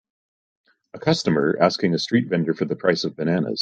A customer asking a street vendor for the price of bananas.